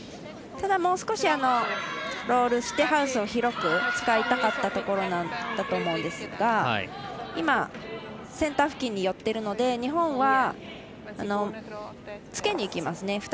ただ、もう少しロールしてハウスを広く使いたかったところだと思うんですがセンター付近に寄っているので日本は、つけにいきますね。